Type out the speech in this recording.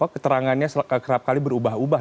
keterangannya kerap kali berubah ubah